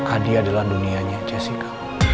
adi adalah dunianya jessica